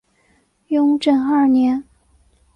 雍正二年。